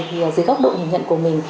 thì dưới góc độ nhìn nhận của mình